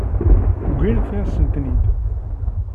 Wwint-asen-ten-id.